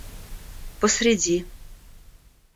посреди